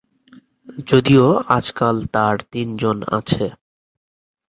যদিও আজকাল তার তিনজন আছে।